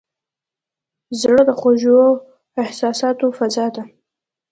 زړه د خوږو احساساتو فضا ده.